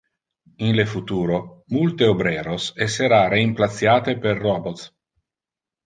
In le futuro, multe obreros essera reimplaciate per robots.